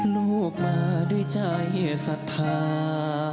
ลูกมาด้วยใจศรัทธา